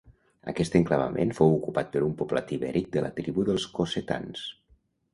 Aquest enclavament fou ocupat per un poblat ibèric de la tribu dels cossetans.